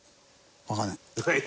わかんない。